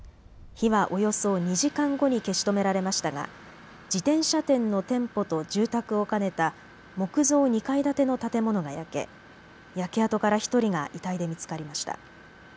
火はおよそ２時間後に消し止められましたが自転車店の店舗と住宅を兼ねた木造２階建ての建物が焼け焼け跡から１人が遺体で見つかりました。